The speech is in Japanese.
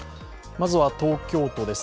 まずは東京都です。